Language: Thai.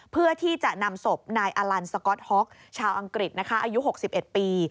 เพื่อที่จะนำศพนายอลันสก๊อตฮ็อกชาวอังกฤษอายุ๖๑ปี